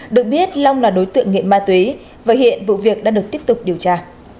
được biết long là đối tượng nghiện ma túy và hiện vụ việc đã được tiếp tục điều tra